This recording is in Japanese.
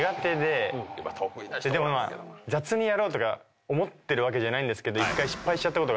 雑にやろうとか思ってるわけじゃないんですけど。